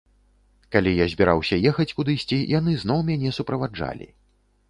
Калі я збіраўся ехаць кудысьці, яны зноў мяне суправаджалі.